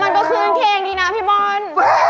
มันก็คืนเคงดีนะพี่บอล